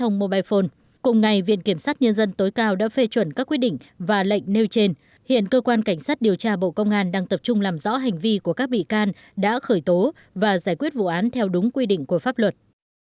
cơ quan cảnh sát điều tra bộ công an đã khởi tố thêm năm bị can là đồng phạm trong vụ án vi phạm trong vụ án vi phạm trong vụ án vi phạm trong vụ án